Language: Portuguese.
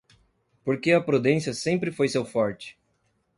Porque a prudência sempre foi seu forte.